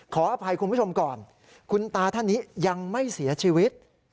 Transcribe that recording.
ขออภัยคุณผู้ชมก่อนคุณตาท่านนี้ยังไม่เสียชีวิต